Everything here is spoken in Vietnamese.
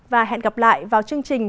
và hẹn gặp lại vào chương trình